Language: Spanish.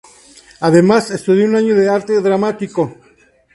Además, estudió un año de arte dramático.